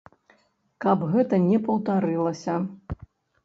Каб гэта не паўтарылася.